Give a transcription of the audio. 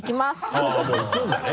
あぁもういくんだね。